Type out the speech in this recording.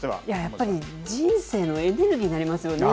やっぱり人生のエネルギーになりますよね。